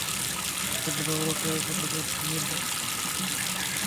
কিন্তু বাবুল আক্তারের কথা তাঁর স্বামীর কাছ থেকে তিনি কখনো শোনেননি।